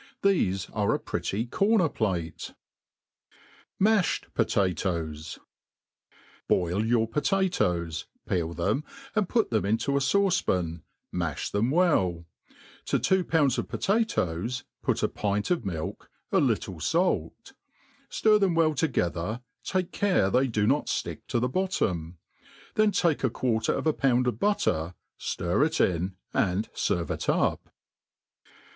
Thefe are a pretty corner plate. Majhtd Potatoes. BOIL your potatoes, peel them, and put them into a fauce pan, ma0i them well ; to two pounds of potatoes put a pint of milk, a little fait; ftir them wel| together, take care they do not flick to the bottom ; ^hen take a quarter of a pound qF but« fer, ftir it iq, and ferve it up.